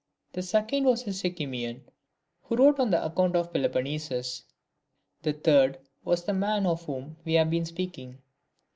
The second was a Sicymian, who wrote an account of Peloponnesus. The third was the man of whom we have been speaking.